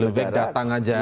lebih baik datang aja